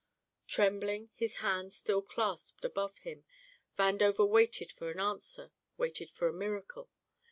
Trembling, his hands still clasped above him, Vandover waited for an answer, waited for the miracle.